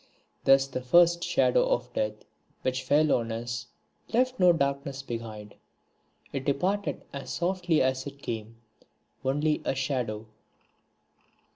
Thus the first shadow of death which fell on us left no darkness behind; it departed as softly as it came, only a shadow.